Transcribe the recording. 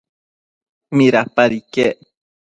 ¿midapad iquec?